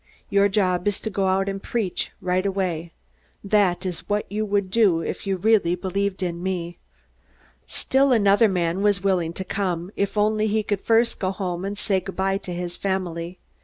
Your job is to go out and preach, right away. That's what you would do if you really believed in me." Still another man was willing to come, if only he could first go home and say good by to his family.